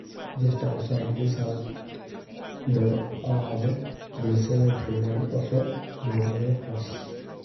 Just outside the south door are the preserved remains of a medieval cross.